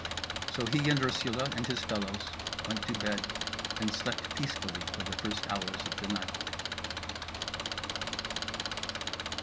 So he and Ursula and his fellows went to bed and slept peacefully for the first hours of the night.